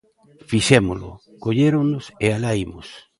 Fixémolo, colléronnos, e alá imos.